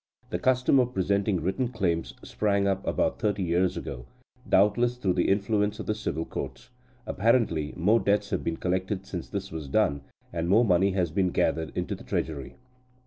The custom of presenting written claims sprang up about thirty years ago, doubtless through the influence of the Civil Courts. Apparently more debts have been collected since this was done, and more money has been gathered into the treasury."